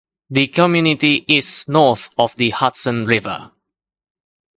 The community is north of the Hudson River.